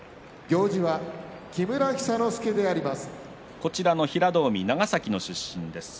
こちらの平戸海長崎の出身です。